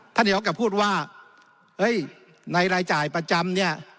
นายกกลับพูดว่าเฮ้ยในรายจ่ายประจำเนี่ย